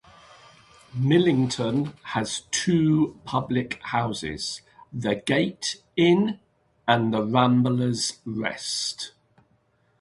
Millington has two public houses: The Gait Inn and The Ramblers Rest.